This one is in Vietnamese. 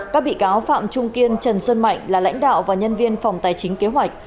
các bị cáo phạm trung kiên trần xuân mạnh là lãnh đạo và nhân viên phòng tài chính kế hoạch